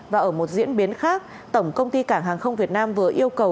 và ở một diễn biến khác tổng công ty cảng hàng không việt nam vừa yêu cầu